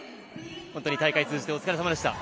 本当に大会通じてお疲れさまでした。